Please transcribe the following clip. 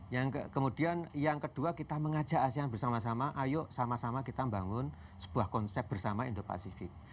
yang kemudian yang kedua kita mengajak asean bersama sama ayo sama sama kita membangun sebuah konsep bersama indo pasifik